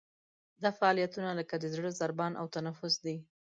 دا فعالیتونه لکه د زړه ضربان او تنفس دي.